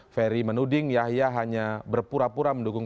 ferry menuding yahya hanya berpura pura mendukung